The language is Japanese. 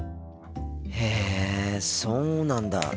へえそうなんだ。